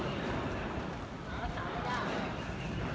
อันที่สุดท้ายก็คือภาษาอันที่สุดท้าย